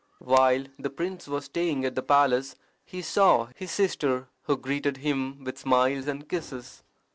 While the prince was staying at the palace he saw his sister, who greeted him with smiles and kisses.